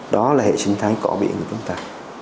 đó là hệ sinh thái cỏ biển của chúng ta